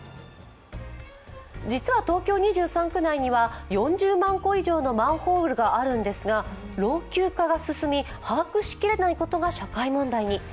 実は東京２３区内には４０万個以上のマンホールがあるんですが、老朽化が進み把握しきれないことが社会問題に。